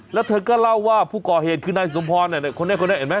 แล้วเธอก็เล่าว่าผู้ก่อเหตุคือนายสมพรคนนี้คนนี้เห็นไหม